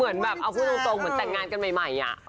เหมือนแบบเอาพูดตรงเหมือนแต่งงานกันใหม่